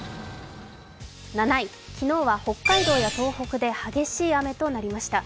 ７位、昨日は北海道や東北で激しい雨となりました。